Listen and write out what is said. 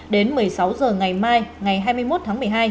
đến một mươi sáu h ngày mai ngày hai mươi một tháng một mươi hai